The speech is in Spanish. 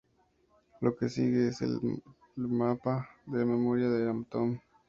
Lo que sigue es le mapa de memoria del Atom.